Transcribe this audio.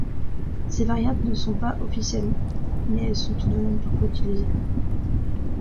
Ces variantes ne sont pas officielles mais sont tout de même parfois utilisées.